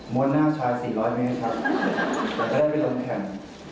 ม้วนหน้าชาย๔๐๐เมตรแต่ก็ได้ไปลงแข่ง